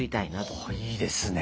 おいいですね。